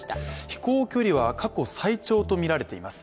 飛行距離は過去最長とみられています。